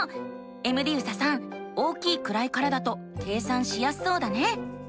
エムディユサさん大きい位からだと計算しやすそうだね。